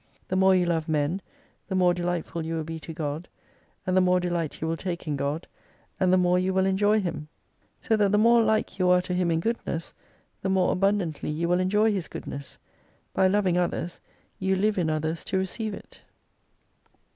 The more you love men, the more delightful you will bs to God, and the more delight you will take in God, and the more you v/ill enjoy Him. So that the more like you are to Him in goodness, the more abundantly you will enjoy His goodness. By lov ing others you live in others to receive it.